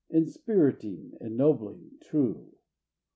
"Inspiriting!" "ennobling!" "true!"